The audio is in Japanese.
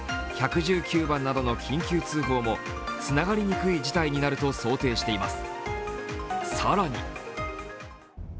１１９番などの緊急通報もつながりにくい事態になると想定しています。